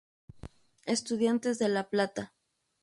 Estudiantes de La Plata.